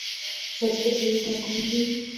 ځاځي اریوب ځنګلونه لري؟